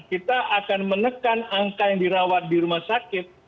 kita akan menekan angka yang dirawat di rumah sakit